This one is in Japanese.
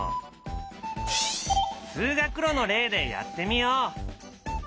通学路の例でやってみよう。